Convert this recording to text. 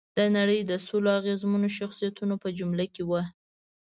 د نړۍ د سلو اغېزمنو شخصیتونو په جمله کې وه.